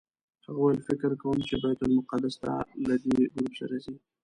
هغه وویل فکر کوم چې بیت المقدس ته له دې ګروپ سره ځئ.